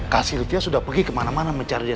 kak sylvia sudah pergi kemana mana mencari dia